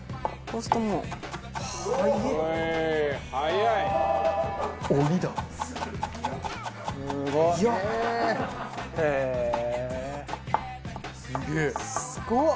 すごっ！